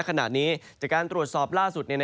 ขณะนี้จากการตรวจสอบล่าสุด